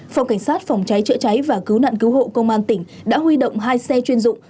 phòng cảnh sát phòng cháy chữa cháy và cứu nạn cứu hộ công an tỉnh đã huy động hai xe chuyên dụng